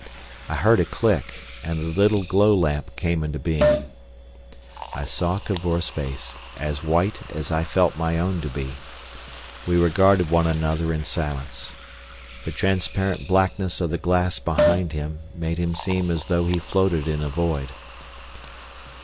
I heard a click, and a little glow lamp came into being. I saw Cavor's face, as white as I felt my own to be. We regarded one another in silence. The transparent blackness of the glass behind him made him seem as though he floated in a void.